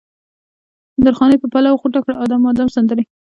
درخانۍ په پلو غوټه کړه ادم، ادم سندرې